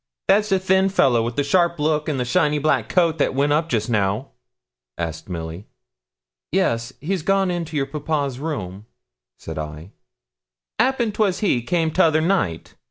'That's the thin fellow, wi' the sharp look, and the shiny black coat, that went up just now?' asked Milly. 'Yes, he's gone into your papa's room,' said I. ''Appen 'twas he come 'tother night.